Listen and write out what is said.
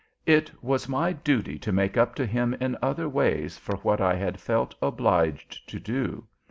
It was my duty to make up to him in other ways for what I had felt obliged to do.